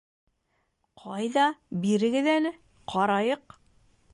Ҡайҙа, бирегеҙ әле, ҡарайыҡ.